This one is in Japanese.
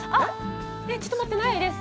ちょっと待って、ないです。